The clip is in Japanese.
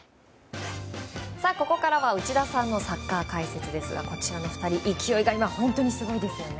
ここからは内田さんのサッカー解説ですがこちらの２人、勢いが今本当にすごいですね。